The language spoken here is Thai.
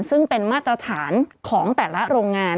ซึ่งเป็นมาตรฐานของแต่ละโรงงาน